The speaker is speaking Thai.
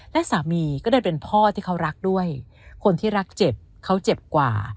และสามีก็ได้เป็นพ่อที่เขารักด้วยคนที่รักเจ็บเขาเจ็บกว่า